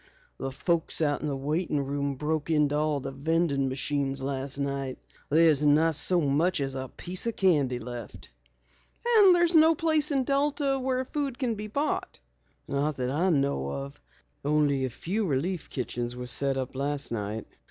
The folks out in the waiting room broke into all the vending machines last night. There's not so much as a piece of candy left." "And there's no place in Delta where food can be bought." "Not that I know of. Only a few relief kitchens were set up last night.